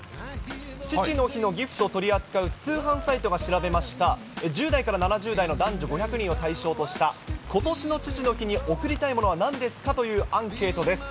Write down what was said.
父の日のギフトを取り扱う通販サイトが調べました、１０代から７０代の男女５００人を対象とした、ことしの父の日に贈りたいものはなんですか？というアンケートです。